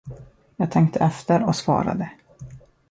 Jag tänkte efter och svarade.